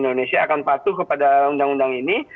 indonesia akan patuh kepada undang undang ini